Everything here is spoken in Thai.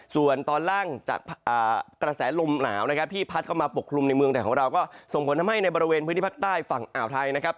ส่วนตอนล่างจากกระแสลมหนาวนะครับที่พัดเข้ามาปกคลุมในเมืองไทยของเราก็ส่งผลทำให้ในบริเวณพื้นที่ภาคใต้ฝั่งอ่าวไทยนะครับ